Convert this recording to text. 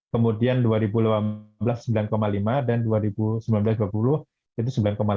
kemudian dua ribu delapan belas sembilan lima dan dua ribu sembilan belas dua ribu dua puluh itu sembilan delapan